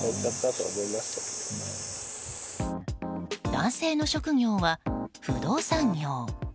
男性の職業は不動産業。